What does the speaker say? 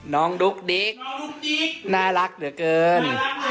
ดุ๊กดิ๊กน่ารักเหลือเกิน